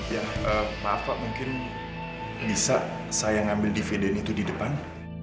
ya maaf pak mungkin bisa saya ngambil dividen itu di depan